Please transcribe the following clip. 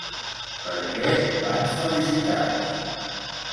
Per què van felicitar-la?